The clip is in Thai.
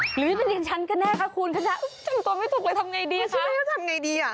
หรือเป็นอย่างฉันก็แน่ค่ะคุณจำตวนไม่ถูกเลยทำยังไงดี